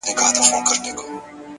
پاگل لگیا دی نن و ټول محل ته رنگ ورکوي،